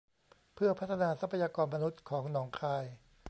เพื่อพัฒนาทรัพยากรมนุษย์ของหนองคาย